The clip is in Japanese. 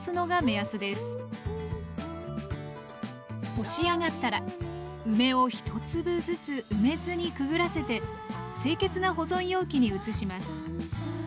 干しあがったら梅を１粒ずつ梅酢にくぐらせて清潔な保存容器に移します